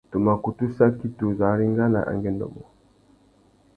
Tu mà kutu saki tu zu arengāna angüêndô mô.